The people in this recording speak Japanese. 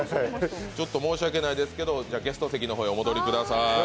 ちょっと申し訳ないですけどゲスト席にお戻りください。